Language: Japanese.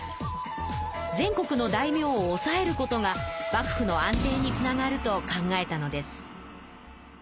全国の大名を抑えることが幕府の安定につながると考えたのです。